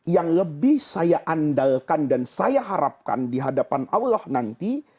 yang lebih saya andalkan dan saya harapkan di hadapan allah nanti